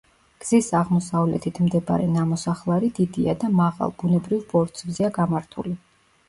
გზის აღმოსავლეთით მდებარე ნამოსახლარი დიდია და მაღალ, ბუნებრივ ბორცვზეა გამართული.